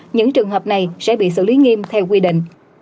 những trường hợp này sẽ bị xử lý nghiêm theo quy định